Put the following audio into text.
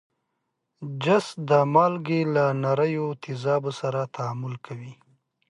جست د مالګې له نریو تیزابو سره تعامل کوي.